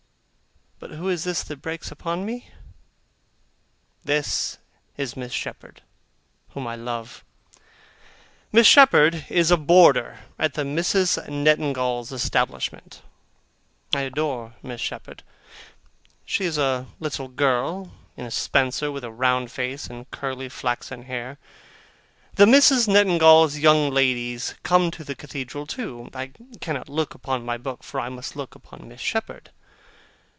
But who is this that breaks upon me? This is Miss Shepherd, whom I love. Miss Shepherd is a boarder at the Misses Nettingalls' establishment. I adore Miss Shepherd. She is a little girl, in a spencer, with a round face and curly flaxen hair. The Misses Nettingalls' young ladies come to the Cathedral too. I cannot look upon my book, for I must look upon Miss Shepherd.